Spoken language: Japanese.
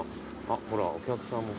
あっほらお客さんも。